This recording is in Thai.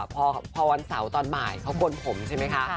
พอวันเสาร์ตอนบ่ายเขากลผมใช่ไหมคะ